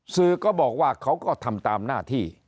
สื่อก็บอกว่าเขาก็ทำตามหน้าที่